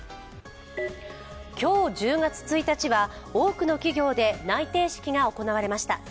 今日１０月１日は多くの企業で内定式が行われました。